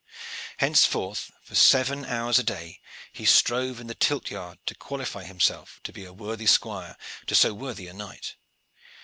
Henceforth for seven hours a day he strove in the tilt yard to qualify himself to be a worthy squire to so worthy a knight.